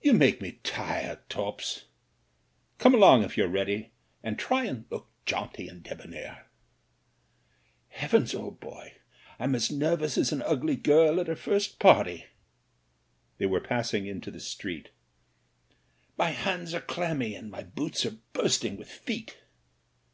"You make me tired, Torps. Come along if you're ready ; and try and look jaunty and debonair." "Heavens ! old boy ; I'm as nervous as an ugly girl at her first party." They were passing into the street. "My hands are clammy and my boots are bursting with feet."